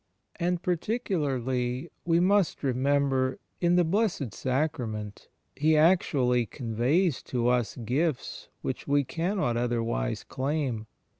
And, particularly, we must remember, in the Blessed Sacrament He actually conveys to us gifts which we cannot otherwise claun.